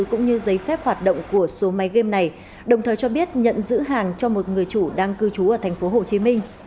cũng như giấy phép hoạt động của số máy game này đồng thời cho biết nhận giữ hàng cho một người chủ đang cư trú ở thành phố hồ chí minh